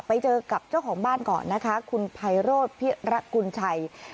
ไปเจอกับเจ้าของบ้านก่อนนะคะคุณไพโรธพิระกุญชัย